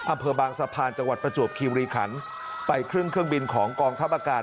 อำเภอบางสะพานจังหวัดประจวบคิวรีขันไปครึ่งเครื่องบินของกองทัพอากาศ